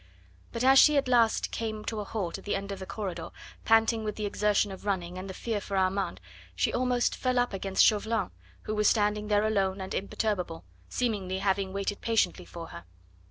But as she at last came to a halt at the end of the corridor, panting with the exertion of running and the fear for Armand, she almost fell up against Chauvelin, who was standing there alone and imperturbable, seemingly having waited patiently for her.